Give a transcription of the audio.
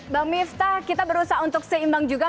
mbak mifta kita berusaha untuk seimbang juga